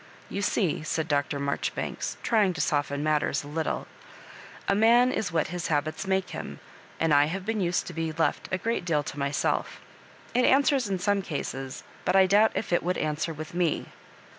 You see," said Dr. Marjoribanks, trying to soften matters a little, Digitized by VjOOQIC MISS MABJ0BIBANE3. *< a man is what his habits make him ; and I have been used to be left a great deal to myself. It answers in some cases, but I doubt if it would answer with me."